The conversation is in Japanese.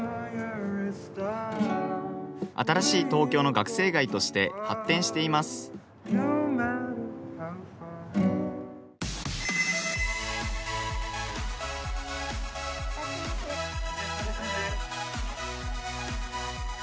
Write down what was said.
新しい東京の学生街として発展していますいらっしゃいませ。